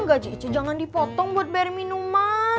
gaji ije jangan dipotong buat beli minuman